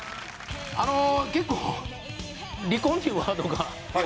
あの結構離婚っていうワードが。